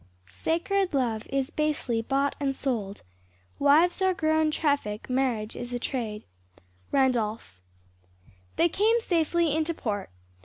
"Sacred love is basely bought and sold; Wives are grown traffic, marriage is a trade." RANDOLPH. They came safely into port.